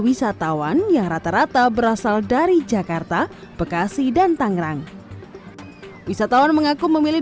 wisatawan yang rata rata berasal dari jakarta bekasi dan tangerang wisatawan mengaku memilih